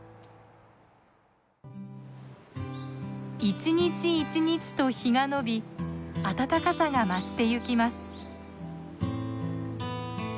一日一日と日がのび暖かさが増してゆきます。